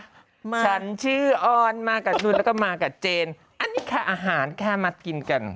ฉันชื่อออนมากับนุนแล้วก็มากับเจนอันนี้แค่อาหารแค่มัดกินกัน